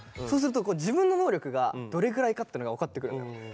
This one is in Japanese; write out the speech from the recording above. そうすると自分の能力がどれぐらいかっていうのが分かってくるんだよ。